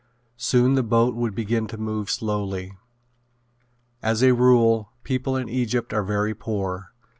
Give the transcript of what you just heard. Soon the boat would begin to move slowly. As a rule people in Egypt are very poor.